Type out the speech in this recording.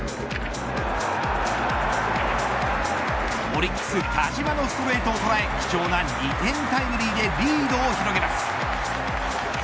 オリックス田嶋のストレートを捉え貴重な２点タイムリーでリードを広げます。